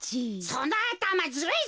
そのあたまズルいぞ！